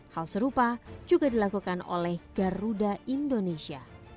hal serupa juga dilakukan oleh garuda indonesia